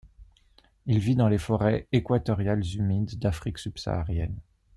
Il vit dans les forêts équatoriales humides d'Afrique sub-saharienne.